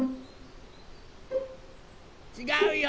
・ちがうよ。